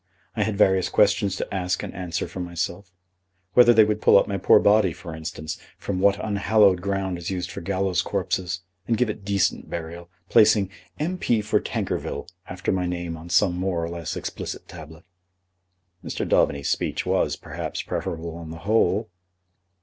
I had various questions to ask and answer for myself, whether they would pull up my poor body, for instance, from what unhallowed ground is used for gallows corpses, and give it decent burial, placing 'M.P. for Tankerville' after my name on some more or less explicit tablet." "Mr. Daubeny's speech was, perhaps, preferable on the whole."